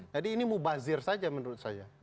jadi ini mubazir saja menurut saya